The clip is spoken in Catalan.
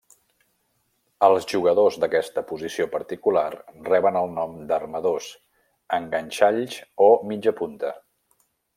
Els jugadors d'aquesta posició particular reben el nom d'armadors, enganxalls, o mitjapunta.